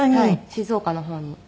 静岡の方に。